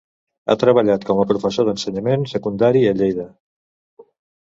Ha treballat com a professor d'ensenyament secundari a Lleida.